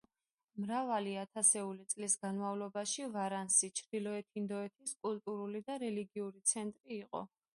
მრავალი ათასეული წლის განმავლობაში ვარანასი ჩრდილოეთ ინდოეთის კულტურული და რელიგიური ცენტრი იყო.